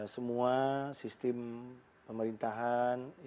semua sistem pemerintahan